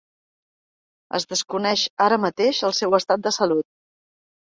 Es desconeix ara mateix el seu estat de salut.